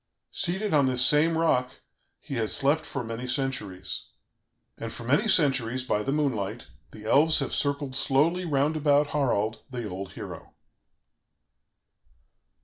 "Seated on this same rock, he has slept for many centuries and for many centuries, by the moonlight, the elves have circled slowly round about Harald, the old hero."